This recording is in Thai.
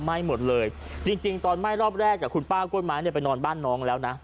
ไหม้หมดเลยจริงตอนไหม้รอบแรกคุณป้ากล้วยไม้เนี่ยไปนอนบ้านน้องแล้วนะ